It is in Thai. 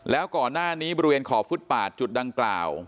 แล้วก่อนหน้านี้บริเวณขอบฟุตปาดจุดดังกล่าว